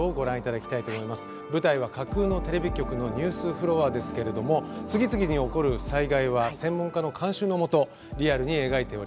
舞台は架空のテレビ局のニュースフロアですけれども次々に起こる災害は専門家の監修の下リアルに描いております。